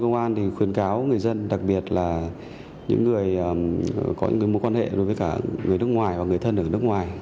công an thì khuyến cáo người dân đặc biệt là những người có những mối quan hệ đối với cả người nước ngoài và người thân ở nước ngoài